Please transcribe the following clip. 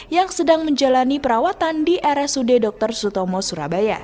yang sedang menjalani perawatan di rsud dr sutomo surabaya